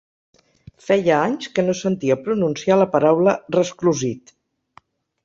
Feia anys que no sentia pronunciar la paraula resclosit.